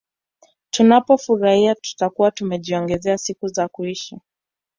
Tunapofurahi tutakuwa tumejiongezea siku za kuishi